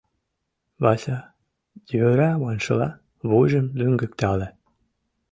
Вася, «Йӧра» маншыла, вуйжым лӱҥгыктале.